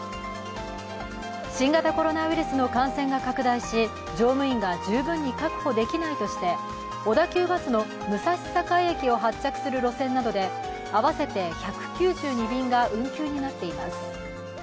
新型コロナウイルスの感染が拡大し乗務員が十分に確保できないとして小田急バスの武蔵境駅を発着する路線などで合わせて１９２便が運休になっています。